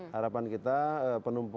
harapan kita penumpang